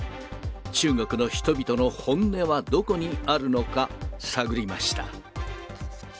中国の人々の本音はどこにあるのか、探りました。